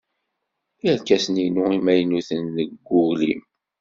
Irkasen-inu imaynuten n weglim.